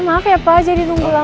maaf ya pak jadi nunggu lama